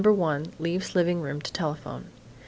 1, leaves living room to telephone.